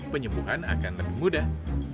penyembuhan akan lebih mudah